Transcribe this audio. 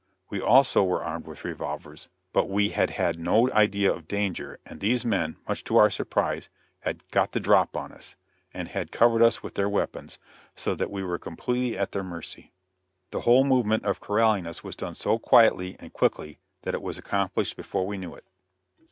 We also were armed with revolvers, but we had had no idea of danger, and these men, much to our surprise, had "got the drop" on us, and had covered us with their weapons, so that we were completely at their mercy. The whole movement of corraling us was done so quietly and quickly that it was accomplished before we knew it.